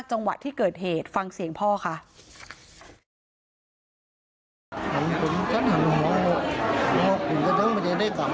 พระเจ้าที่อยู่ในเมืองของพระเจ้า